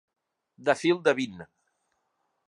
De fil de vint.